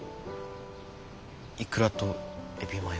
いくらとエビマヨ。